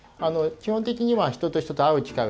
基本的には人と人と会う機会を